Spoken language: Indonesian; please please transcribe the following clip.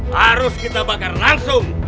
harus kita bakar langsung